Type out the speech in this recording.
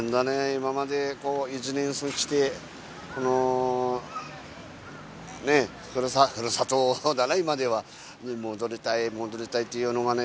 今まで１年すごしてこのねえ故郷だな今ではに戻りたい戻りたいっていうのがね